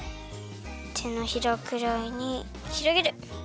てのひらくらいにひろげる。